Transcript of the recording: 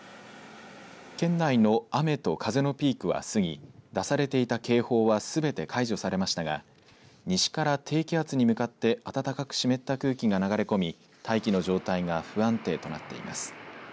県内の雨と風のピークは過ぎ出されていた警報はすべて解除されましたが西から低気圧に向かって暖かく湿った空気が流れ込み大気の状態が不安定となっています。